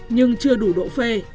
nhưng chưa đủ độ phê